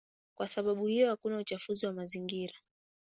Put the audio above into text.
Kwa sababu hiyo hakuna uchafuzi wa mazingira.